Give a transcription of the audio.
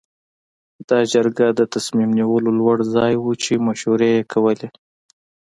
دا جرګه د تصمیم نیولو لوړ ځای و چې مشورې یې کولې.